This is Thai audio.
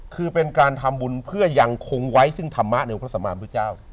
คือเป็นการทำบุญเพื่อยังคงไว้ซึ่งธรรมะในพระสมานพุทธเจ้า